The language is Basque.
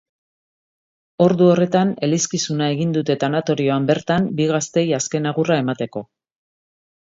Ordu horretan elizkizun egin dute tanatorioan bertan bi gazteei azken agurra emateko.